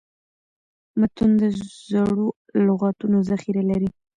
متون د زړو لغاتو ذخیره لري.